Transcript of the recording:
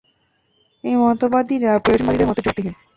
এই মতবাদীরা প্রয়োজনবাদীদের মতই যুক্তিহীন।